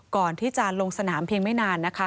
ก่อนที่จะลงสนามเพียงไม่นานนะคะ